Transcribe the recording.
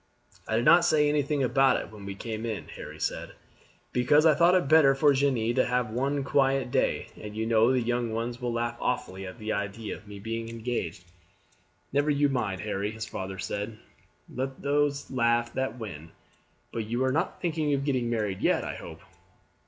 "I did not say anything about it when we came in," Harry said, "because I thought it better for Jeanne to have one quiet day, and you know the young ones will laugh awfully at the idea of my being engaged." "Never you mind, Harry," his father said; "let those laugh that win. But you are not thinking of getting married yet, I hope."